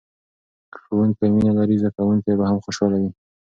که ښوونکی مینه لري، زده کوونکی به هم خوشحاله وي.